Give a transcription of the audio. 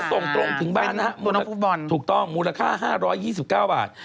ส่งตรงถึงบ้านนะฮะถูกต้องมูลค่า๕๒๙บาท